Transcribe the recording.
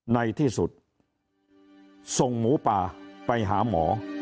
ในที่สุดส่งหมูป่าไปหาหมอ